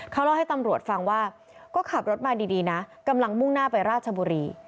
เขาเล่าให้ตำรวจฟังว่าก็ขับรถมาดีนะกำลังมุ่งหน้าไปราชบุรี